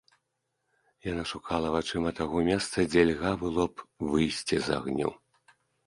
Яна шукала вачыма таго месца, дзе льга было б выйсці з агню.